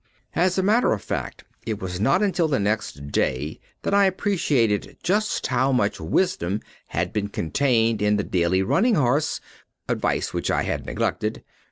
As a matter of fact, it was not until the next day that I appreciated just how much wisdom had been contained in The Daily Running Horse, advice which I had neglected.